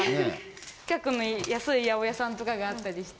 近くの安い八百屋さんとかがあったりして。